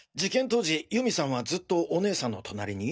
当日祐美さんはずっとお姉さんの隣に？